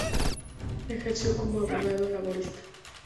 Ejerció como abogado laboralista.